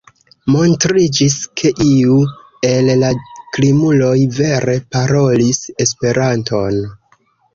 Montriĝis, ke iu el la krimuloj vere parolis Esperanton.